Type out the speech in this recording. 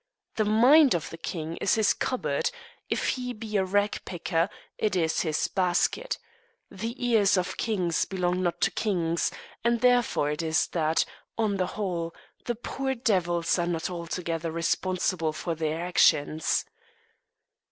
The mind of the king is his cupboard; if he be a rag picker, it is his basket. The ears of kings belong not to kings, and therefore it is that, on the whole, the poor devils are not altogether responsible for their actions.